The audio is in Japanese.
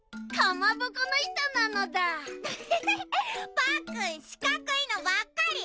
パックンしかくいのばっかり！